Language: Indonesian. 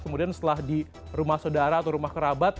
kemudian setelah di rumah saudara atau rumah kerabat